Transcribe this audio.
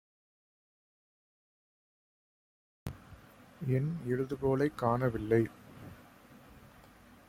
என் எழுதுகோலைக் காணவில்லை.